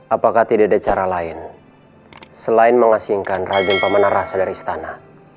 apakah tidak ada cara lain selain mengasingkan rajin pemenang rasa dari istana